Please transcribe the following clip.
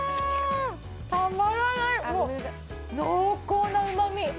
濃厚なうまみ。